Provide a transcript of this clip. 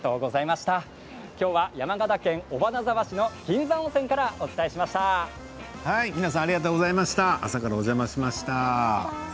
今日は山形県尾花沢市の銀山温泉からお伝えしました。